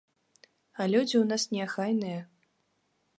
А людзі ў нас неахайныя.